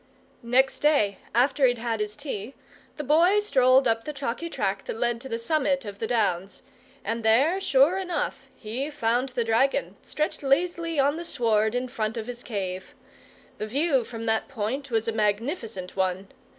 Next day, after he'd had his tea, the Boy strolled up the chalky track that led to the summit of the Downs; and there, sure enough, he found the dragon, stretched lazily on the sward in front of his cave. The view from that point was a magnificent one.